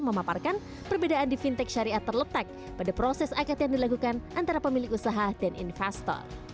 memaparkan perbedaan di fintech syariah terletak pada proses akad yang dilakukan antara pemilik usaha dan investor